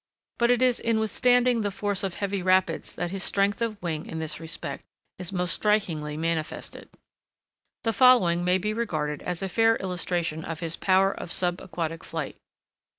But it is in withstanding the force of heavy rapids that his strength of wing in this respect is most strikingly manifested. The following may be regarded as a fair illustration of his power of sub aquatic flight.